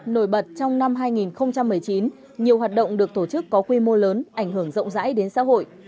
nổi bật trong năm hai nghìn một mươi chín nhiều hoạt động được tổ chức có quy mô lớn ảnh hưởng rộng rãi đến xã hội